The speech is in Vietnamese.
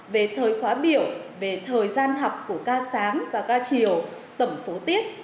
về thời khóa biểu về thời gian học của ca sáng và ca chiều tổng số tiết